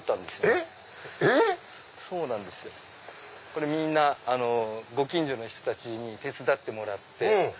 これみんなご近所の人たちに手伝ってもらって。